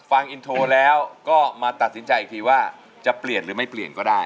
ฟังอินโทรแล้วก็มาตัดสินใจอีกทีว่าจะเปลี่ยนหรือไม่เปลี่ยนก็ได้